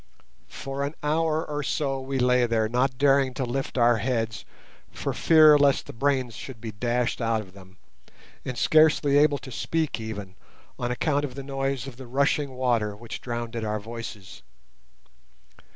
For an hour or so we lay there, not daring to lift our heads for fear lest the brains should be dashed out of them, and scarcely able to speak even, on account of the noise of the rushing water which drowned our voices.